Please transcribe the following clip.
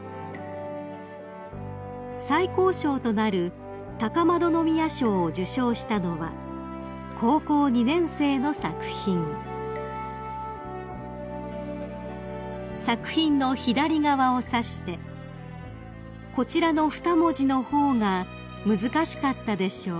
［最高賞となる高円宮賞を受賞したのは高校２年生の作品］［作品の左側を指して「こちらの２文字の方が難しかったでしょう」